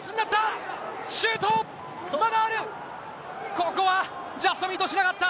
ここはジャストミートしなかった。